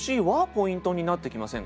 ポイントになってきませんか？